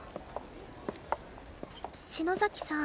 篠崎さん。